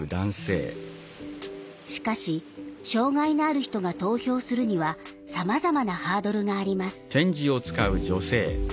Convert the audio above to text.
しかし障害のある人が投票するにはさまざまなハードルがあります。